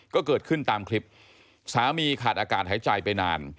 ก็เกิดขึ้นตามคลิปสามีขาดอากาศหายใจไปนาน